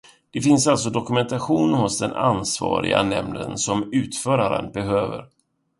Det finns alltså dokumentation hos den ansvariga nämnden som utföraren behöver.